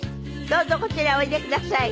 どうぞこちらへおいでください。